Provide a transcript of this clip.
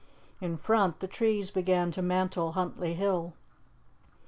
In front the trees began to mantle Huntly Hill.